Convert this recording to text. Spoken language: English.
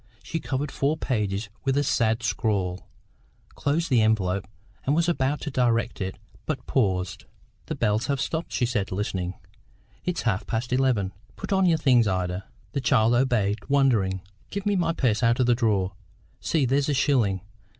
She covered four pages with a sad scrawl, closed the envelope, and was about to direct it, but paused. "The bells have stopped," she said, listening. "It's half past eleven. Put on your things, Ida." The child obeyed, wondering. "Give me my purse out of the drawer. See, there's a shilling.